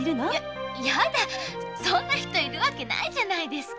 そんな人いるわけないじゃないですか。